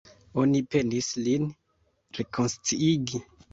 Oni penis lin rekonsciigi.